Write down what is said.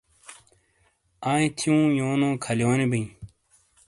آئیں تھیوں یونو کھالیونو بئے